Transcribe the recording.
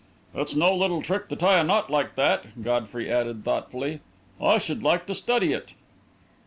"It's no little trick to tie a knot like that," Godfrey added, thoughtfully. "I should like to study it."